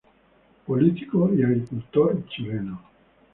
Político y agricultor chileno.